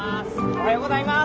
おはようございます。